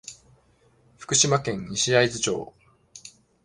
福島県西会津町